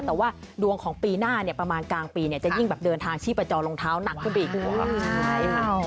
แต่ว่าดวงของปีหน้าเนี่ยประมาณกลางปีเนี่ยจะยิ่งแบบเดินทางชีพจรรองเท้าหนักขึ้นไปอีก